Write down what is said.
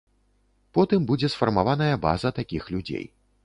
Потым будзе сфармаваная база такіх людзей.